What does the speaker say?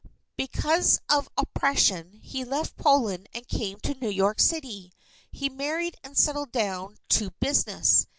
Because of oppression, he left Poland and came to New York City. He married and settled down to business.